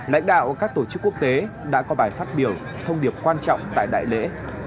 lãnh đạo các tổ chức quốc tế đã có bài phát biểu thông điệp quan trọng tại đại lễ